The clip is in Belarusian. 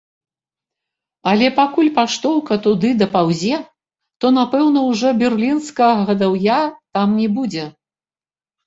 Але пакуль паштоўка туды дапаўзе, то напэўна ўжо берлінскага гадаўя там не будзе.